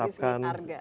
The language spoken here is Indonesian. dari segi harga